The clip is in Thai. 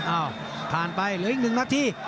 อ้าวผ่านไปเหลืออีก๑นาที